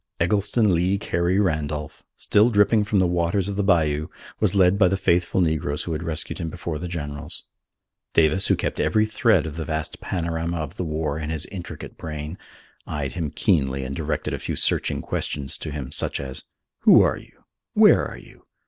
Eggleston Lee Carey Randolph, still dripping from the waters of the bayou, was led by the faithful negroes who had rescued him before the generals. Davis, who kept every thread of the vast panorama of the war in his intricate brain, eyed him keenly and directed a few searching questions to him, such as: "Who are you? Where are you?